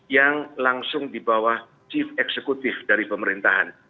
yang langsung dibawah chief executive dari pemerintahan